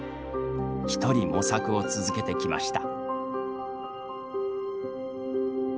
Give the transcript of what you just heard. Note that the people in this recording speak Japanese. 一人、模索を続けてきました。